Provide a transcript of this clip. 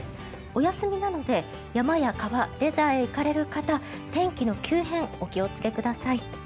お休みなので山や川、レジャーへ行かれる方天気の急変にお気をつけください。